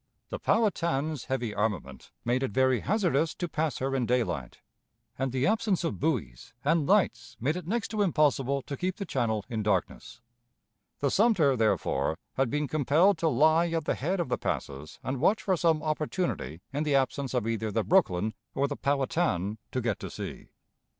The Powhatan's heavy armament made it very hazardous to pass her in daylight, and the absence of buoys and lights made it next to impossible to keep the channel in darkness. The Sumter, therefore, had been compelled to lie at the head of the passes and watch for some opportunity in the absence of either the Brooklyn or the Powhatan to get to sea.